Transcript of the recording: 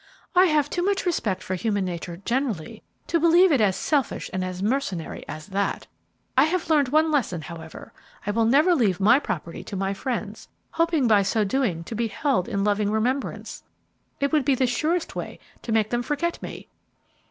"I have too much respect for human nature generally to believe it as selfish and as mercenary as that. I have learned one lesson, however. I will never leave my property to my friends, hoping by so doing to be held in loving remembrance. It would be the surest way to make them forget me."